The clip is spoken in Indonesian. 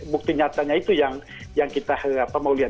bukti nyatanya itu yang kita mau lihat